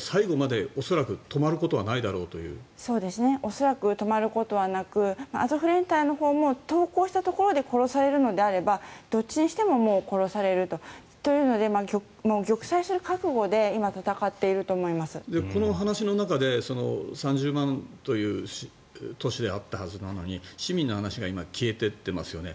恐らく止まることはなくアゾフ連隊のほうも投降したところで殺されるのであればどっちにしてももう殺されるというので玉砕する覚悟でこの話の中で３０万という都市であったはずなのに市民の話が今、消えてってますよね。